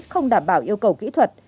không đảm bảo yêu cầu kỹ thuật